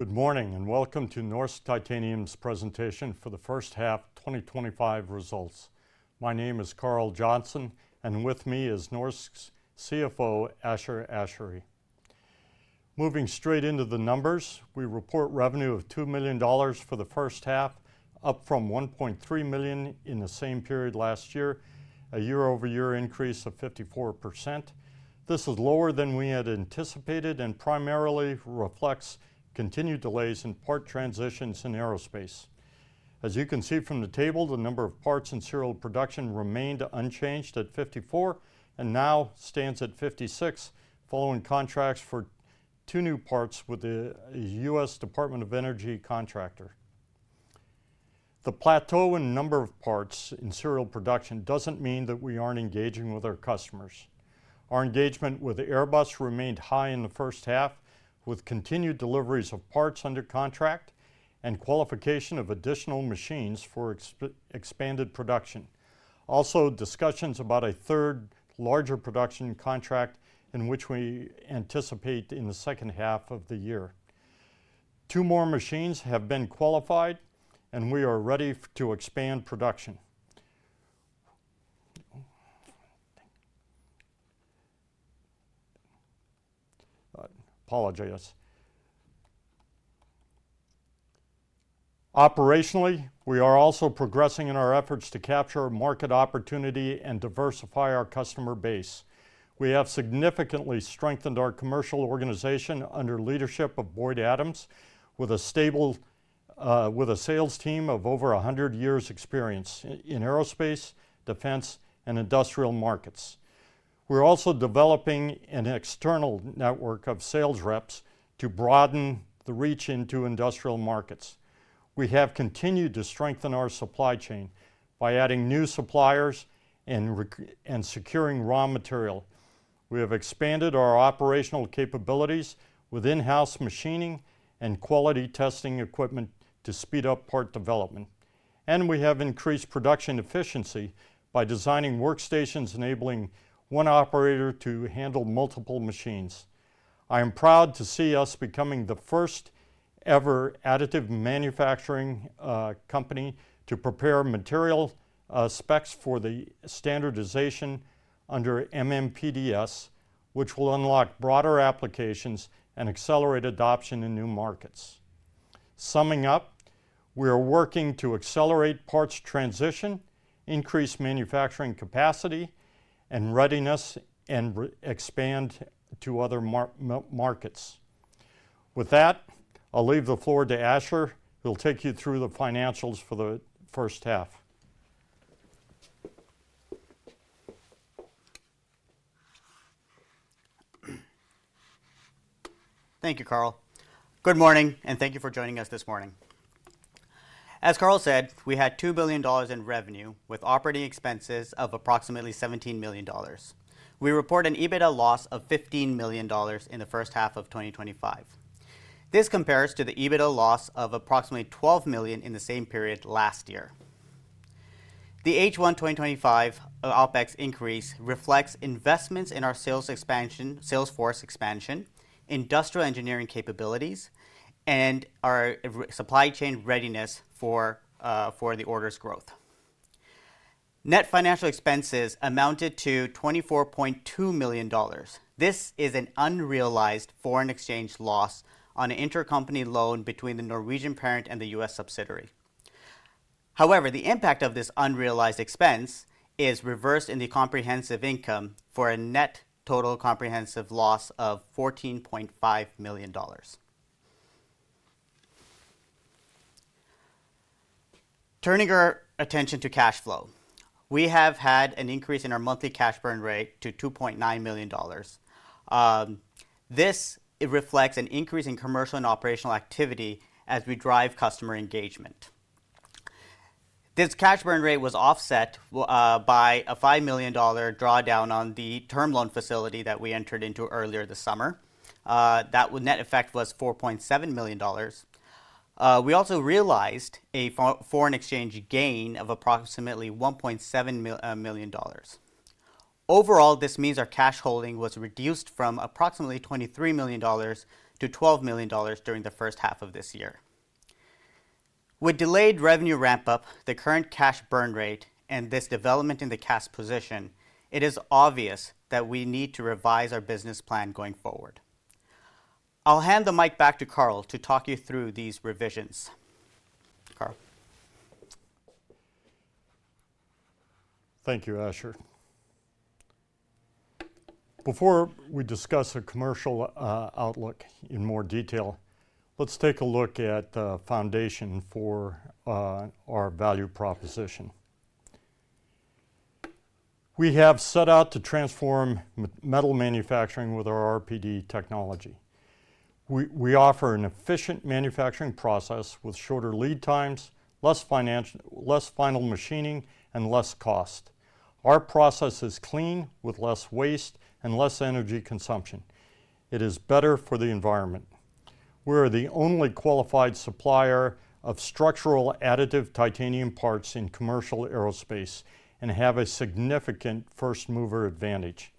Good morning and welcome to Norsk Titanium's Presentation for the First Half 2025 Results. My name is Carl Johnson, and with me is Norsk's CFO, Ashar Ashary. Moving straight into the numbers, we report revenue of $2 million for the first half, up from $1.3 million in the same period last year, a year-over-year increase of 54%. This is lower than we had anticipated and primarily reflects continued delays in part transitions in aerospace. As you can see from the table, the number of parts in serial production remained unchanged at 54% and now stands at 56%, following contracts for two new parts with the U.S. Department of Energy contractor. The plateau in the number of parts in serial production doesn't mean that we aren't engaging with our customers. Our engagement with Airbus remained high in the first half, with continued deliveries of parts under contract and qualification of additional machines for expanded production. Also, discussions about a third larger production contract in which we anticipate in the second half of the year. Two more machines have been qualified, and we are ready to expand production. Operationally, we are also progressing in our efforts to capture market opportunity and diversify our customer base. We have significantly strengthened our commercial organization under the leadership of Boyd Adams, with a sales team of over 100 years' experience in aerospace, defense, and industrial markets. We're also developing an external network of sales reps to broaden the reach into industrial markets. We have continued to strengthen our supply chain by adding new suppliers and securing raw material. We have expanded our operational capabilities with in-house machining and quality testing equipment to speed up part development. We have increased production efficiency by designing workstations enabling one operator to handle multiple machines. I am proud to see us becoming the first ever additive manufacturing company to prepare material specs for the standardization under MMPDS, which will unlock broader applications and accelerate adoption in new markets. Summing up, we are working to accelerate parts transition, increase manufacturing capacity and readiness, and expand to other markets. With that, I'll leave the floor to Ashar. He'll take you through the financials for the first half. Thank you, Carl. Good morning, and thank you for joining us this morning. As Carl said, we had $2 billion in revenue with operating expenses of approximately $17 million. We report an EBITDA loss of $15 million in the first half of 2025. This compares to the EBITDA loss of approximately $12 million in the same period last year. The H1 2025 OpEx increase reflects investments in our sales force expansion, industrial engineering capabilities, and our supply chain readiness for the orders' growth. Net financial expenses amounted to $24.2 million. This is an unrealized foreign exchange loss on an intercompany loan between the Norwegian parent and the U.S. subsidiary. However, the impact of this unrealized expense is reversed in the comprehensive income for a net total comprehensive loss of $14.5 million. Turning our attention to cash flow, we have had an increase in our monthly cash burn rate to $2.9 million. This reflects an increase in commercial and operational activity as we drive customer engagement. This cash burn rate was offset by a $5 million drawdown on the term loan facility that we entered into earlier this summer. That net effect was $4.7 million. We also realized a foreign exchange gain of approximately $1.7 million. Overall, this means our cash holding was reduced from approximately $23 million to $12 million during the first half of this year. With delayed revenue ramp-up, the current cash burn rate, and this development in the cash position, it is obvious that we need to revise our business plan going forward. I'll hand the mic back to Carl to talk you through these revisions. Thank you, Ashar. Before we discuss a commercial outlook in more detail, let's take a look at the foundation for our value proposition. We have set out to transform metal manufacturing with our RPD technology. We offer an efficient manufacturing process with shorter lead times, less final machining, and less cost. Our process is clean, with less waste and less energy consumption. It is better for the environment. We are the only qualified supplier of structural additive titanium parts in commercial aerospace and have a significant first-mover advantage.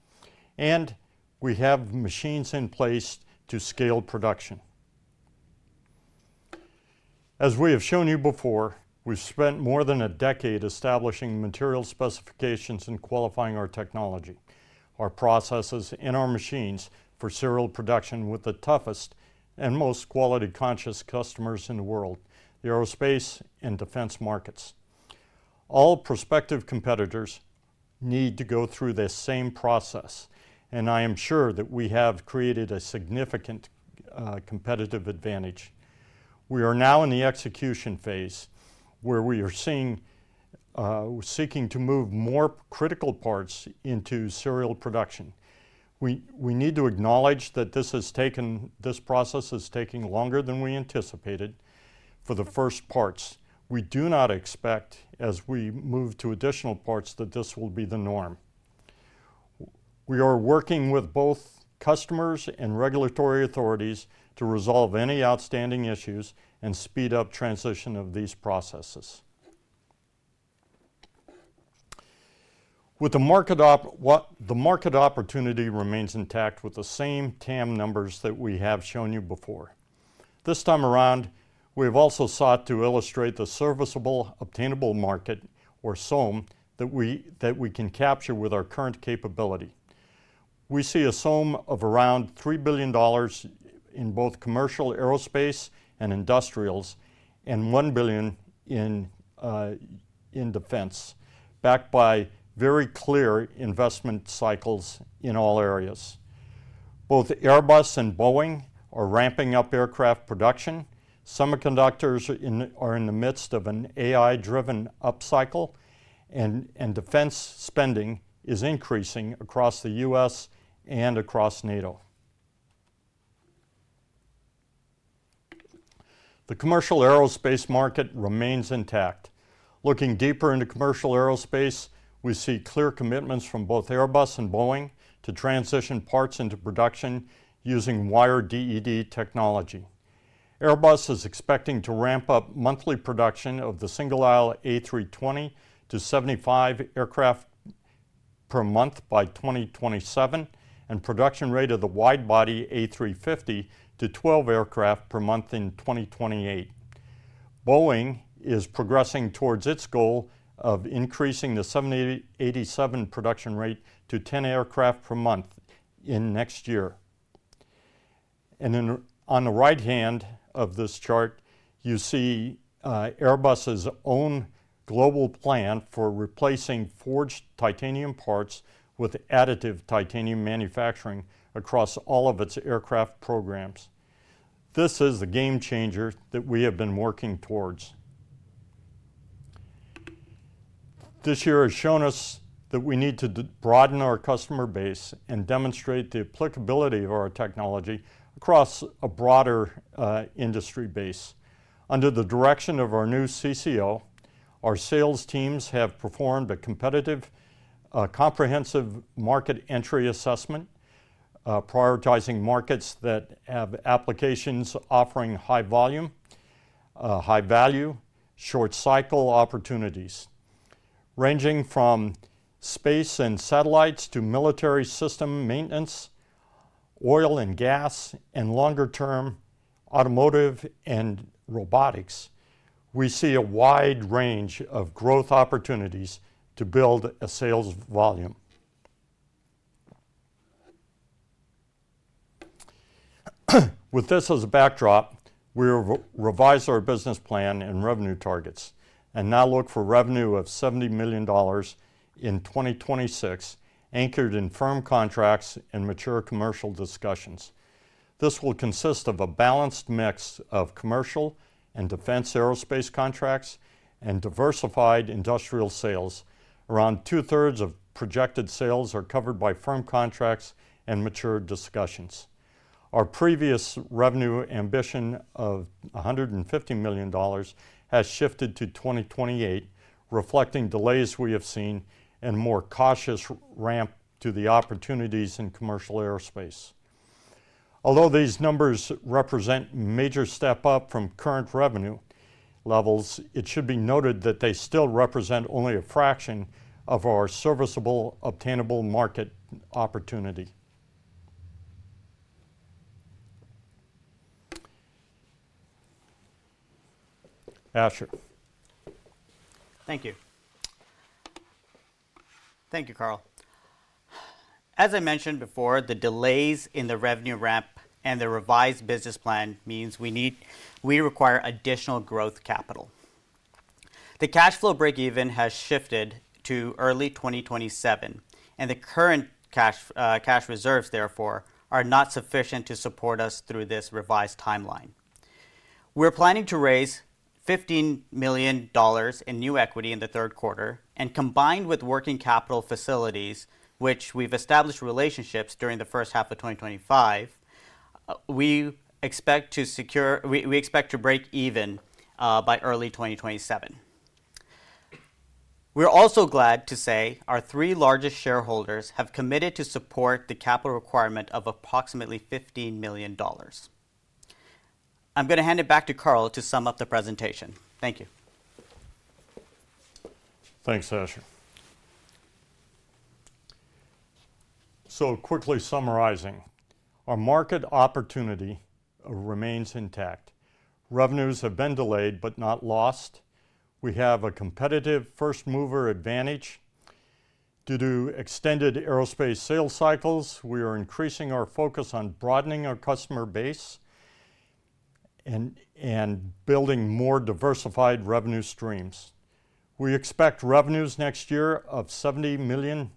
We have machines in place to scale production. As we have shown you before, we've spent more than a decade establishing material specifications and qualifying our technology. Our processes and our machines for serial production with the toughest and most quality-conscious customers in the world, the aerospace and defense markets. All prospective competitors need to go through this same process, and I am sure that we have created a significant competitive advantage. We are now in the execution phase where we are seeking to move more critical parts into serial production. We need to acknowledge that this process is taking longer than we anticipated for the first parts. We do not expect, as we move to additional parts, that this will be the norm. We are working with both customers and regulatory authorities to resolve any outstanding issues and speed up the transition of these processes. The market opportunity remains intact with the same TAM numbers that we have shown you before. This time around, we have also sought to illustrate the serviceable obtainable market, or SOM, that we can capture with our current capability. We see a SOM of around $3 billion in both commercial aerospace and industrials, and $1 billion in defense, backed by very clear investment cycles in all areas. Both Airbus and Boeing are ramping up aircraft production. Semiconductors are in the midst of an AI-driven upcycle, and defense spending is increasing across the U.S. and across NATO. The commercial aerospace market remains intact. Looking deeper into commercial aerospace, we see clear commitments from both Airbus and Boeing to transition parts into production using wired DED technology. Airbus is expecting to ramp up monthly production of the single aisle A320 to 75 aircraft per month by 2027, and production rate of the wide body A350 to 12 aircraft per month in 2028. Boeing is progressing towards its goal of increasing the 787 production rate to 10 aircraft/month in next year. On the right hand of this chart, you see Airbus's own global plan for replacing forged titanium parts with additive titanium manufacturing across all of its aircraft programs. This is a game changer that we have been working towards. This year has shown us that we need to broaden our customer base and demonstrate the applicability of our technology across a broader industry base. Under the direction of our new CCO, our sales teams have performed a competitive, comprehensive market entry assessment, prioritizing markets that have applications offering high volume, high value, and short cycle opportunities. Ranging from space and satellites to military system maintenance, oil and gas, and longer-term automotive and robotics, we see a wide range of growth opportunities to build a sales volume. With this as a backdrop, we revised our business plan and revenue targets and now look for revenue of $70 million in 2026, anchored in firm contracts and mature commercial discussions. This will consist of a balanced mix of commercial and defense aerospace contracts and diversified industrial sales. Around 2/3 of projected sales are covered by firm contracts and mature discussions. Our previous revenue ambition of $150 million has shifted to 2028, reflecting delays we have seen and a more cautious ramp to the opportunities in commercial aerospace. Although these numbers represent a major step up from current revenue levels, it should be noted that they still represent only a fraction of our serviceable obtainable market opportunity. Ashar? Thank you. Thank you, Carl. As I mentioned before, the delays in the revenue ramp and the revised business plan mean we require additional growth capital. The cash flow break-even has shifted to early 2027, and the current cash reserves, therefore, are not sufficient to support us through this revised timeline. We're planning to raise $15 million in new equity in the third quarter, and combined with working capital facilities, which we've established relationships with during the first half of 2025, we expect to break-even by early 2027. We're also glad to say our three largest shareholders have committed to support the capital requirement of approximately $15 million. I'm going to hand it back to Carl to sum up the presentation. Thank you. Thanks, Ashar. Quickly summarizing, our market opportunity remains intact. Revenues have been delayed but not lost. We have a competitive first-mover advantage. Due to extended aerospace sales cycles, we are increasing our focus on broadening our customer base and building more diversified revenue streams. We expect revenues next year of $70 million,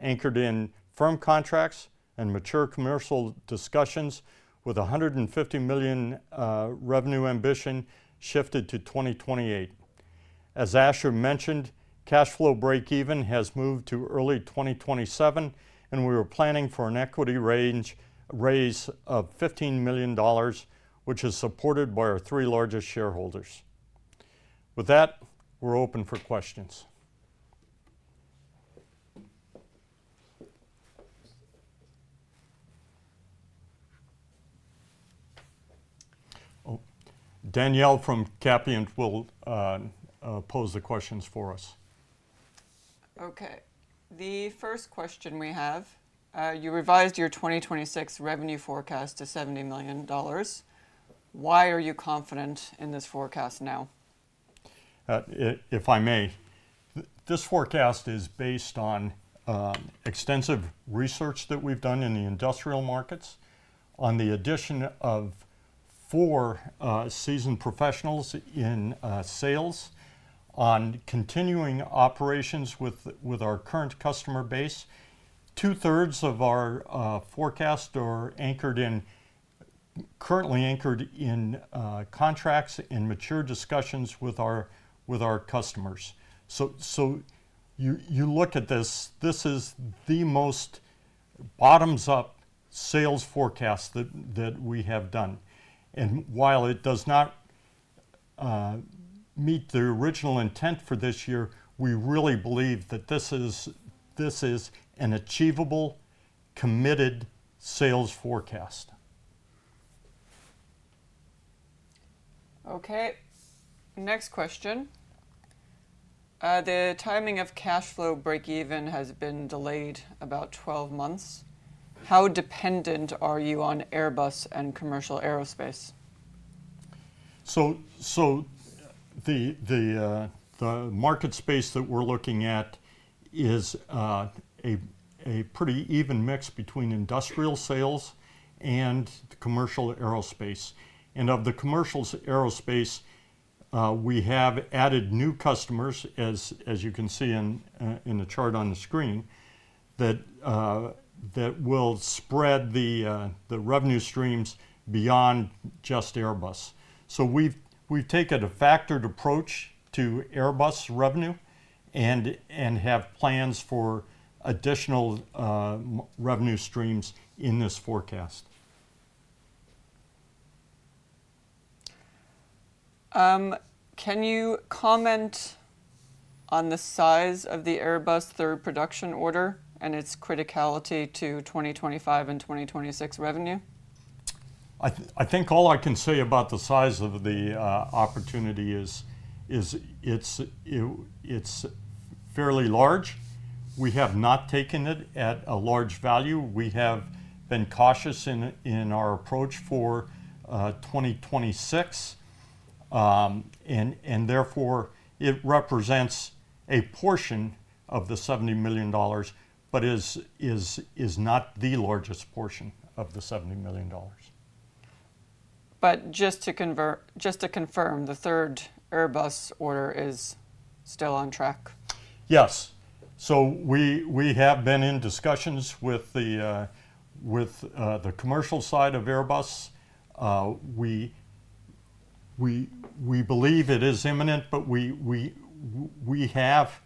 anchored in firm contracts and mature commercial discussions, with a $150 million revenue ambition shifted to 2028. As Ashar mentioned, cash flow break-even has moved to early 2027, and we are planning for an equity range raise of $15 million, which is supported by our three largest shareholders. With that, we're open for questions. Danielle from Capient will pose the questions for us. Okay. The first question we have, you revised your 2026 revenue forecast to $70 million. Why are you confident in this forecast now? If I may, this forecast is based on extensive research that we've done in the industrial markets, on the addition of four seasoned professionals in sales, on continuing operations with our current customer base. 2/3 of our forecast are currently anchored in contracts and mature discussions with our customers. You look at this, this is the most bottoms-up sales forecast that we have done. While it does not meet the original intent for this year, we really believe that this is an achievable, committed sales forecast. Okay. Next question. The timing of cash flow break-even has been delayed about 12 months. How dependent are you on Airbus and commercial aerospace? The market space that we're looking at is a pretty even mix between industrial sales and commercial aerospace. Of the commercial aerospace, we have added new customers, as you can see in the chart on the screen, that will spread the revenue streams beyond just Airbus. We've taken a factored approach to Airbus revenue and have plans for additional revenue streams in this forecast. Can you comment on the size of the Airbus third production order and its criticality to 2025 and 2026 revenue? I think all I can say about the size of the opportunity is it's fairly large. We have not taken it at a large value. We have been cautious in our approach for 2026, and therefore, it represents a portion of the $70 million, but is not the largest portion of the $70 million. Just to confirm, the third Airbus order is still on track? Yes, we have been in discussions with the commercial side of Airbus. We believe it is imminent, but we have,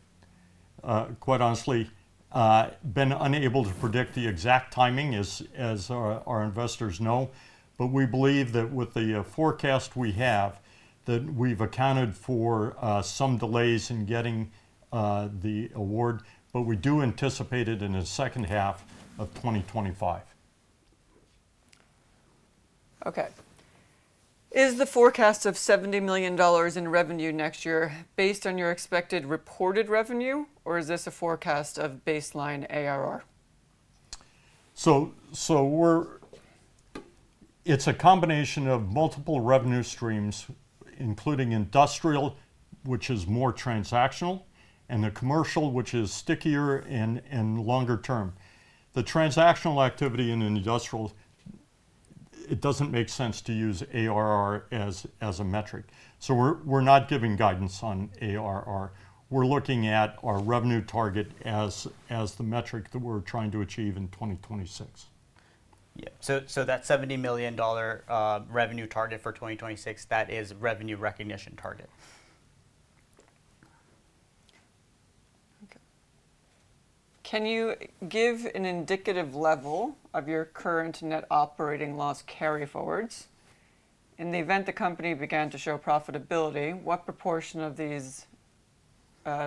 quite honestly, been unable to predict the exact timing, as our investors know. We believe that with the forecast we have, we've accounted for some delays in getting the award, and we do anticipate it in the second half of 2025. Okay. Is the forecast of $70 million in revenue next year based on your expected reported revenue, or is this a forecast of baseline ARR? It's a combination of multiple revenue streams, including industrial, which is more transactional, and the commercial, which is stickier and longer term. The transactional activity in industrial, it doesn't make sense to use ARR as a metric. We're not giving guidance on ARR. We're looking at our revenue target as the metric that we're trying to achieve in 2026. That $70 million revenue target for 2026, that is a revenue recognition target. Can you give an indicative level of your current net operating loss carryforwards? In the event the company began to show profitability, what proportion of these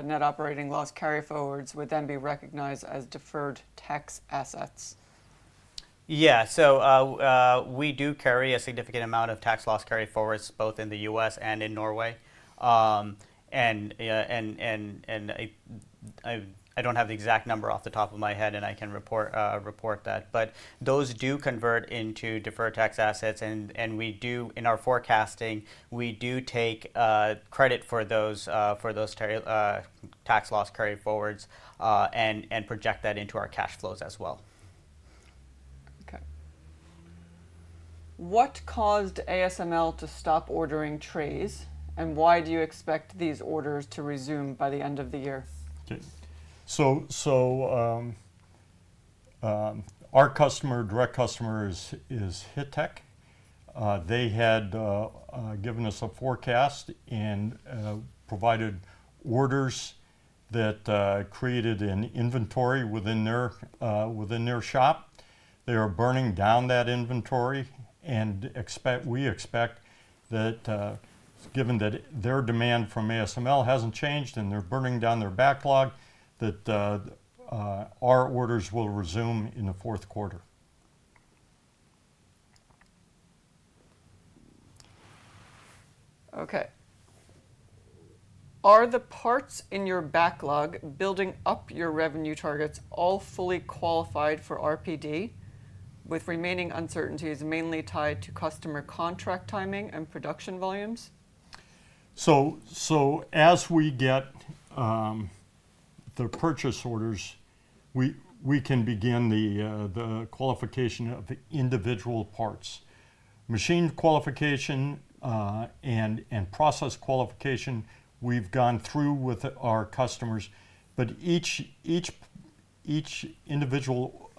net operating loss carryforwards would then be recognized as deferred tax assets? Yeah, we do carry a significant amount of tax loss carryforwards, both in the U.S. and in Norway. I don't have the exact number off the top of my head, and I can report that. Those do convert into deferred tax assets, and in our forecasting, we do take credit for those tax loss carryforwards and project that into our cash flows as well. Okay. What caused ASML to stop ordering trees, and why do you expect these orders to resume by the end of the year? Our direct customer is Hittech. They had given us a forecast and provided orders that created an inventory within their shop. They are burning down that inventory, and we expect that, given that their demand from ASML hasn't changed and they're burning down their backlog, our orders will resume in the fourth quarter. Okay. Are the parts in your backlog building up your revenue targets all fully qualified for RPD, with remaining uncertainties mainly tied to customer contract timing and production volumes? As we get the purchase orders, we can begin the qualification of individual parts. Machine qualification and process qualification, we've gone through with our customers, but each individual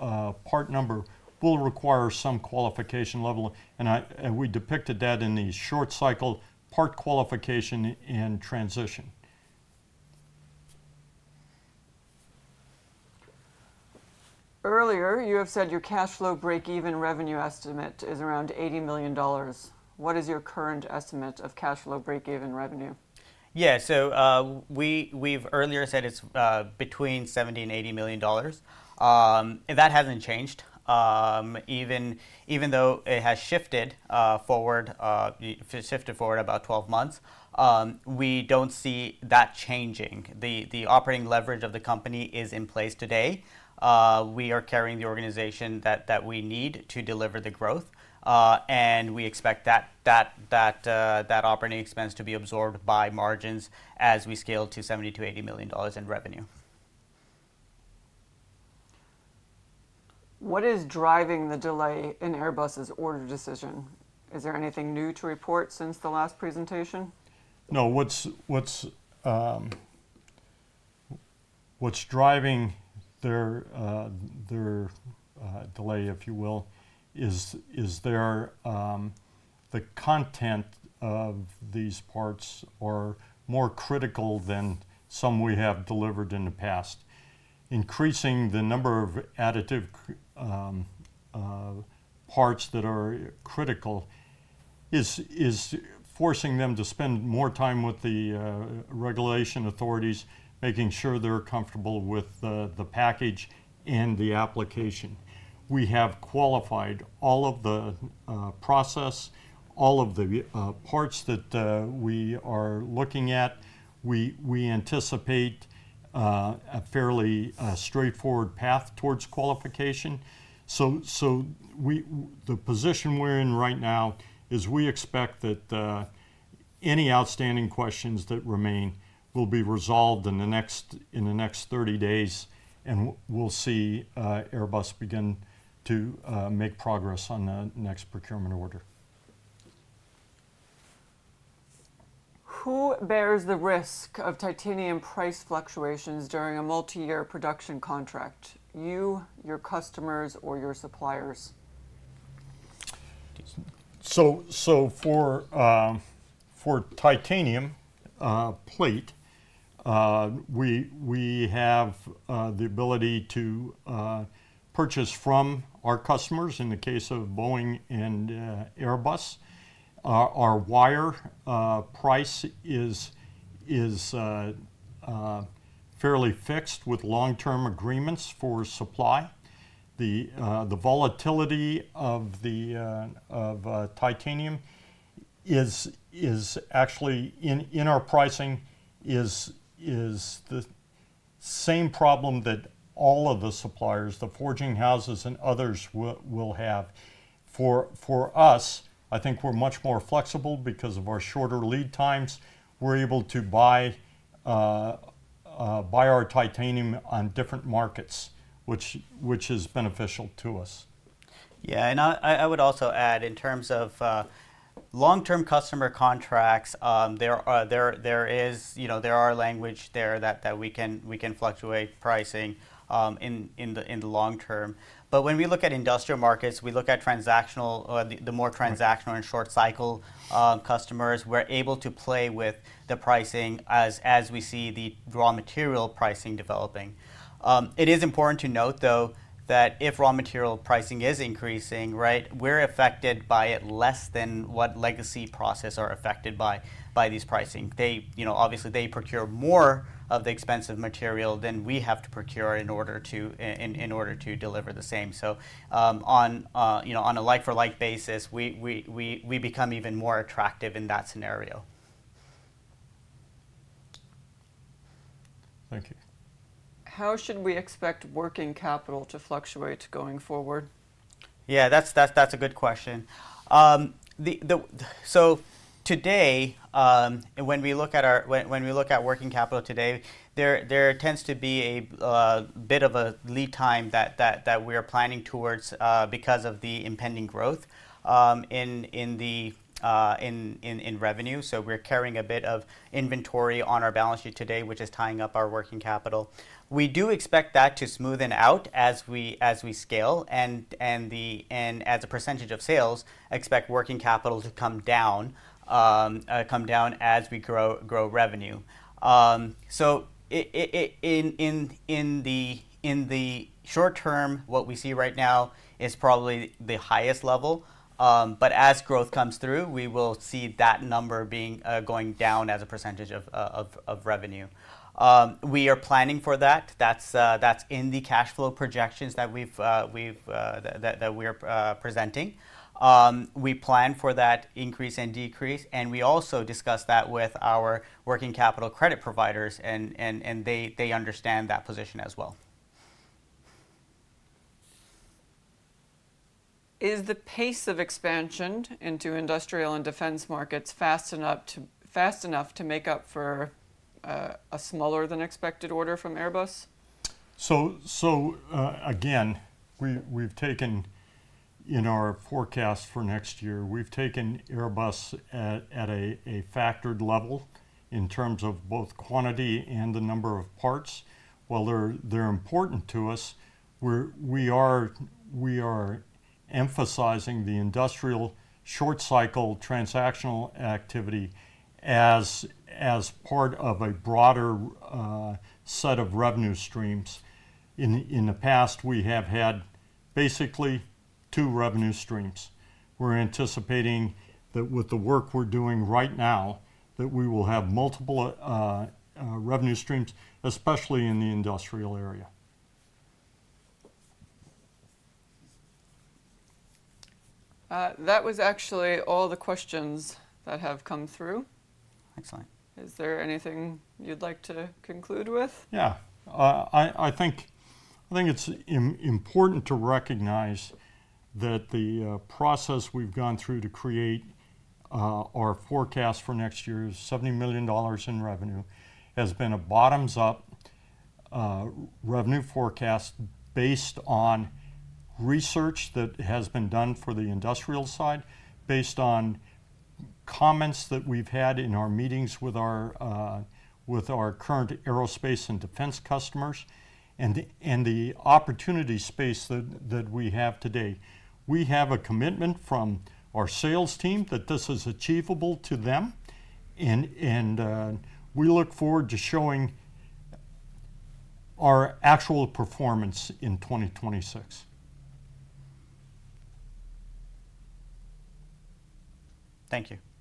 part number will require some qualification level, and we depicted that in the short cycle part qualification and transition. Earlier, you have said your cash flow break-even revenue estimate is around $80 million. What is your current estimate of cash flow break-even revenue? We've earlier said it's between $70 million and $80 million. That hasn't changed. Even though it has shifted forward about 12 months, we don't see that changing. The operating leverage of the company is in place today. We are carrying the organization that we need to deliver the growth, and we expect that operating expense to be absorbed by margins as we scale to $70 million-$80 million in revenue. What is driving the delay in Airbus's order decision? Is there anything new to report since the last presentation? No. What's driving their delay, if you will, is the content of these parts are more critical than some we have delivered in the past. Increasing the number of additive parts that are critical is forcing them to spend more time with the regulation authorities, making sure they're comfortable with the package and the application. We have qualified all of the process, all of the parts that we are looking at. We anticipate a fairly straightforward path towards qualification. The position we're in right now is we expect that any outstanding questions that remain will be resolved in the next 30 days, and we'll see Airbus begin to make progress on the next procurement order. Who bears the risk of titanium price fluctuations during a multi-year production contract? You, your customers, or your suppliers? For titanium plate, we have the ability to purchase from our customers. In the case of Boeing and Airbus, our wire price is fairly fixed with long-term agreements for supply. The volatility of titanium is actually in our pricing, is the same problem that all of the suppliers, the forging houses, and others will have. For us, I think we're much more flexible because of our shorter lead times. We're able to buy our titanium on different markets, which is beneficial to us. Yeah. I would also add, in terms of long-term customer contracts, there is language there that we can fluctuate pricing in the long term. When we look at industrial markets, we look at the more transactional and short cycle customers. We're able to play with the pricing as we see the raw material pricing developing. It is important to note, though, that if raw material pricing is increasing, we're affected by it less than what legacy processes are affected by this pricing. Obviously, they procure more of the expensive material than we have to procure in order to deliver the same. On a like-for-like basis, we become even more attractive in that scenario. How should we expect working capital to fluctuate going forward? Yeah, that's a good question. Today, when we look at working capital today, there tends to be a bit of a lead time that we are planning towards because of the impending growth in revenue. We're carrying a bit of inventory on our balance sheet today, which is tying up our working capital. We do expect that to smoothen out as we scale, and as a percentage of sales, expect working capital to come down as we grow revenue. In the short term, what we see right now is probably the highest level, but as growth comes through, we will see that number going down as a percentage of revenue. We are planning for that. That's in the cash flow projections that we are presenting. We plan for that increase and decrease, and we also discuss that with our working capital credit providers, and they understand that position as well. Is the pace of expansion into industrial and defense markets fast enough to make up for a smaller than expected order from Airbus? We've taken in our forecast for next year, we've taken Airbus at a factored level in terms of both quantity and the number of parts. While they're important to us, we are emphasizing the industrial short cycle transactional activity as part of a broader set of revenue streams. In the past, we have had basically two revenue streams. We're anticipating that with the work we're doing right now, we will have multiple revenue streams, especially in the industrial area. That was actually all the questions that have come through. Excellent. Is there anything you'd like to conclude with? I think it's important to recognize that the process we've gone through to create our forecast for next year's $70 million in revenue has been a bottoms-up revenue forecast based on research that has been done for the industrial side, based on comments that we've had in our meetings with our current aerospace and defense customers, and the opportunity space that we have today. We have a commitment from our sales team that this is achievable to them, and we look forward to showing our actual performance in 2026. Thank you. Thank you.